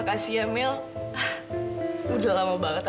aku juga baru sadar kalau kamu itu ternyata